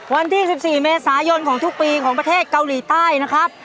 วันที่๑๔เมษายนของทุกปีของประเทศเกาหลีใต้นะครับ